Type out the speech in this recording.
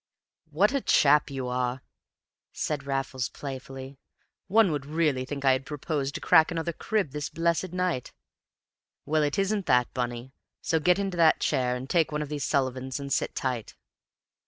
"What a chap you are!" said Raffles, playfully. "One would really think I had proposed to crack another crib this blessed night! Well, it isn't that, Bunny; so get into that chair, and take one of these Sullivans and sit tight."